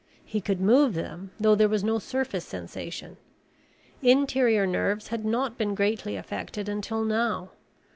He could move them though there was no surface sensation. Interior nerves had not been greatly affected until now.